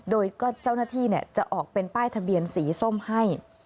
โดยเจ้าหน้าที่จะออกเป็นป้ายทะเบียนสีส้มให้